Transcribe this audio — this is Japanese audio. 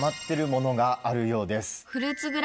があるようです。